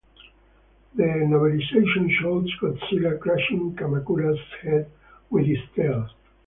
The novelization shows Godzilla crushing Kamacura's head with its tail.